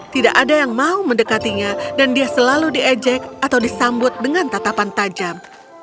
tidak ada yang mau mendekatinya dan dia selalu diejek atau disambut dengan tatapan tajam